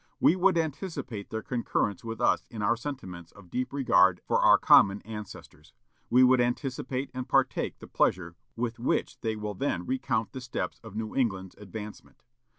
We would anticipate their concurrence with us in our sentiments of deep regard for our common ancestors. We would anticipate and partake the pleasure with which they will then recount the steps of New England's advancement.